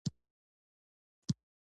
شیرشاه سوري لوی سړک جوړ کړ.